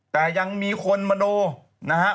แต่ยังมีคนมาดูนะฮะ